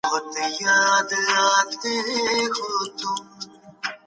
د کتاب لوستل د دماغ تمرین دی.